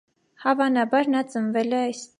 Հավանաբար նա ծնվել է այստեղ։